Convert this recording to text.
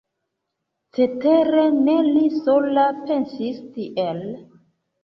Cetere, ne li sola pensis tiel.